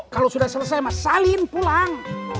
kalau sudah selesai mas salin pulang